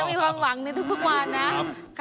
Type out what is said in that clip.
ต้องมีความหวังทุกวันนะค่ะ